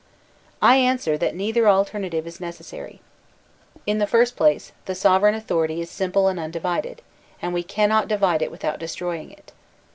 I answer that neither alternative is necessary. In the first place, the sovereign authority is simple and tm divided, and we cannot divide it without destroying it.